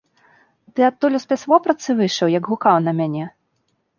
Ты адтуль у спецвопратцы выйшаў, як гукаў на мяне?